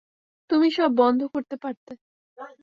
তুমি সব বন্ধ করতে পারতে।